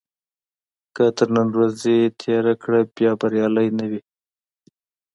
که تر نن ورځې تېره کړه بیا بریالی نه وي.